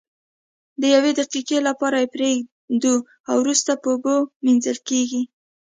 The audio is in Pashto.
د یوې دقیقې لپاره یې پریږدو او وروسته په اوبو مینځل کیږي.